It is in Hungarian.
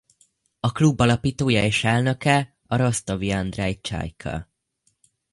A klub alapítója és elnöke a rosztovi Andrej Csajka.